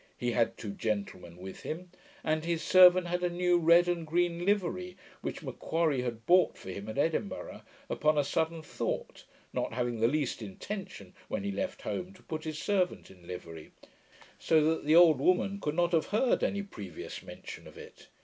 He had two gentlemen with him; and his servant had a new red and green livery, which M'Quarrie had bought for him at Edinburgh, upon a sudden thought, not having the least intention when he left home to put his servant in livery, so that the old woman could not have heard any previous mention of it.